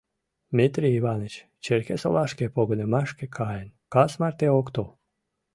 Митрий Иваныч Черкесолашке погынымашке каен, кас марте ок тол.